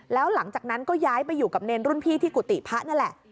แล้วหลังจากนั้นก็ย้ายไปอยู่กับเนรรุ่นพี่ที่กุฏิพระนั่นแหละ